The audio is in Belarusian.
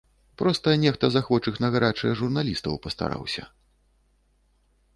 Проста нехта з ахвочых на гарачае журналістаў пастараўся.